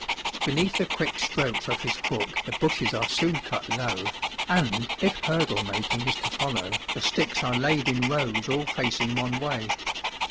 Beneath the quick strokes of his hook the bushes are soon cut low, and, if hurdle making is to follow, the sticks are laid in rows all facing one way.